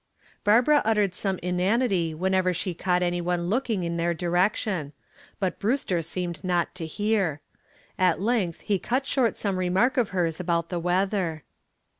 Barbara uttered some inanity whenever she caught any one looking in their direction, but Brewster seemed not to hear. At length he cut short some remark of hers about the weather.